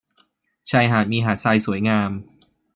ชายหาดมีหาดทรายสวยงาม